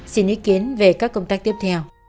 xin ý kiến về các công tác tiếp theo